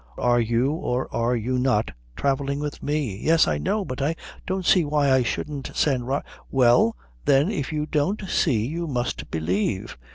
Are you or are you not travelling with me?" "Yes, I know. But I don't see why I shouldn't send Rob " "Well, then, if you don't see you must believe.